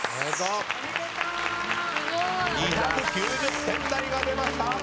２９０点台が出ました。